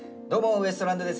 ウエストランドです。